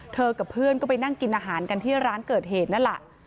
กับเพื่อนก็ไปนั่งกินอาหารกันที่ร้านเกิดเหตุนั่นแหละ